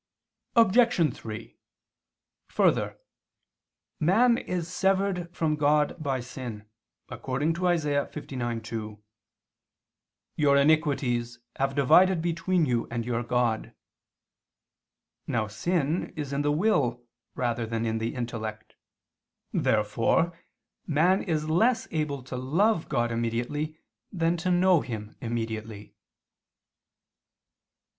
Obj. 3: Further, man is severed from God by sin, according to Isa. 59:2: "Your iniquities have divided between you and your God." Now sin is in the will rather than in the intellect. Therefore man is less able to love God immediately than to know Him immediately.